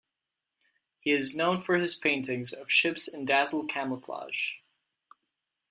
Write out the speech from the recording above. He is known for his paintings of ships in dazzle camouflage.